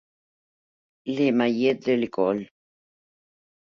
Le Mayet-d'École